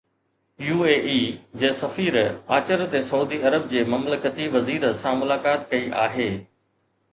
U A E جي سفير آچر تي سعودي عرب جي مملڪتي وزير سان ملاقات ڪئي آهي